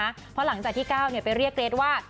เพราะหลังจากที่ก้าวไปเรียกเกรทว่า